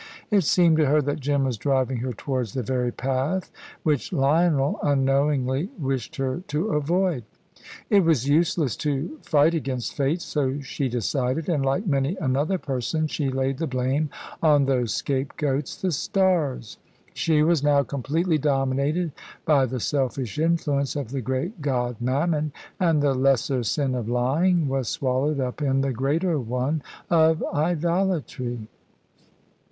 It seemed to her that Jim was driving her towards the very path which Lionel, unknowingly, wished her to avoid. It was useless to fight against fate, so she decided, and like many another person, she laid the blame on those scapegoats, the stars. She was now completely dominated by the selfish influence of the great god Mammon, and the lesser sin of lying was swallowed up in the greater one of idolatry.